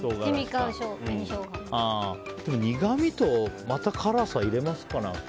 でも、苦みとまた辛さを入れますかね。